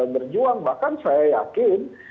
berjuang bahkan saya yakin